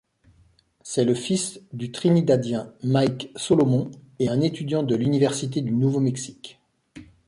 C'est le fils du Trinidadien Mike Solomon et un étudiant de l'université du Nouveau-Mexique.